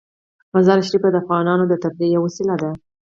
مزارشریف د افغانانو د تفریح یوه وسیله ده.